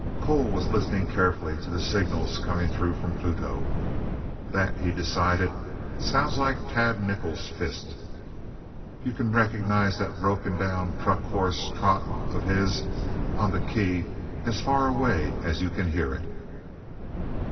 Cole was listening carefully to the signals coming through from Pluto. "That," he decided, "sounds like Tad Nichols' fist. You can recognize that broken down truck horse trot of his on the key as far away as you can hear it."